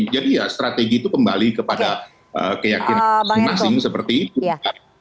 jadi ya strategi itu kembali kepada keyakinan masing masing seperti itu